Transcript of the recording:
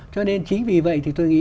cho nên chính vì vậy thì tôi nghĩ